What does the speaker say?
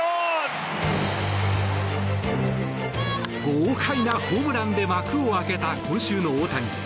豪快なホームランで幕を開けた今週の大谷。